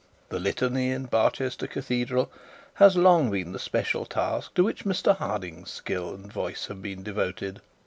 The litany of Barchester cathedral has long been the special task to which Mr Harding's skill and voice have been devoted.